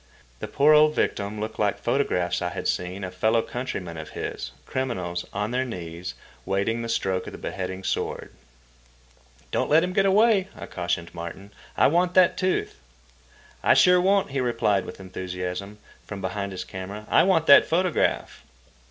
The poor old victim looked like photographs I had seen of fellow countrymen of his, criminals, on their knees, waiting the stroke of the beheading sword. "Don't let him get away," I cautioned to Martin. "I want that tooth." "I sure won't," he replied with enthusiasm, from behind his camera. "I want that photograph."